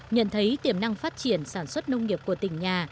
nhận thấy tiềm năng phát triển sản xuất nông nghiệp của tỉnh nhà